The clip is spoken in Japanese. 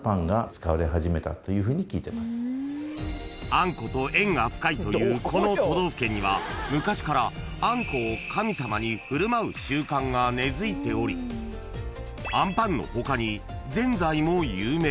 ［あんこと縁が深いというこの都道府県には昔からあんこを神様に振る舞う習慣が根付いておりあんパンの他に］